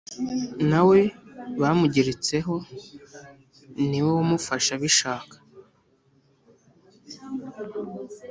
nawe bamugeretseho niwe wamufashe abishaka